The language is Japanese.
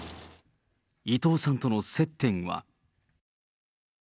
伊藤さんとの接点は。